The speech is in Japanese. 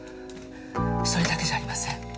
それだけじゃありません。